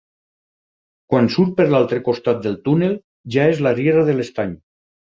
Quan surt per l'altre costat del túnel, ja és la Riera de l'Estany.